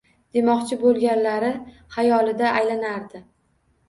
Demoqchi bo‘lganlari xayolida aylanardi